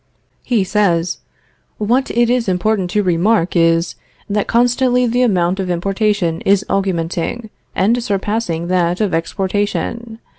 He says: "What it is important to remark, is, that constantly the amount of importation is augmenting, and surpassing that of exportation.